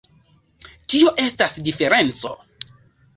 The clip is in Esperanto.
Tio estas diferenco.